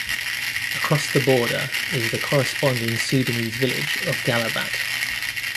Across the border is the corresponding Sudanese village of Gallabat.